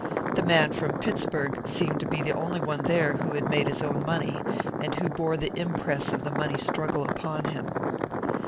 The man from Pittsburg seemed to be the only one there who had made his own money, and who bore the impress of the money struggle upon him.